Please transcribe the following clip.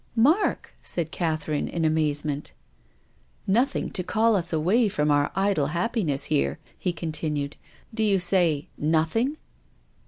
" Mark !" said Catherine in amazement. " Nothing to call us away from our idle hap piness here !" he continued. Do you say — nothing